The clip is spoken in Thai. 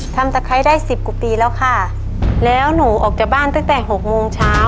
ตะไคร้ได้สิบกว่าปีแล้วค่ะแล้วหนูออกจากบ้านตั้งแต่หกโมงเช้า